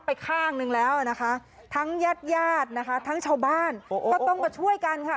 ไปข้างนึงแล้วนะคะทั้งญาติญาตินะคะทั้งชาวบ้านก็ต้องมาช่วยกันค่ะ